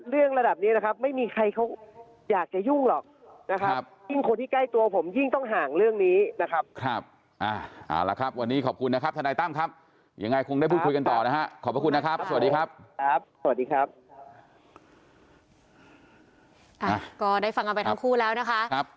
เรื่องระดับนี้นะครับไม่มีใครเขาอยากจะยุ่งหรอกนะครับ